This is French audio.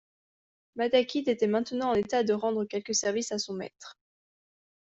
Matakit était maintenant en état de rendre quelques services à son maître.